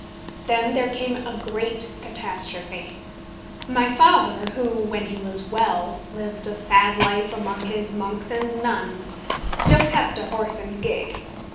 Then there came a great catastrophe. My father, who, when he was well, lived a sad life among his monks and nuns, still kept a horse and gig.